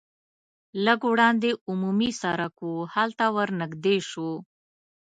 لږ وړاندې عمومي سرک و هلته ور نږدې شوو.